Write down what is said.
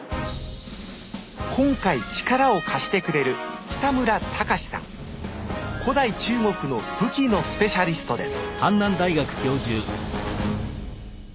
今回力を貸してくれる古代中国の武器のスペシャリストです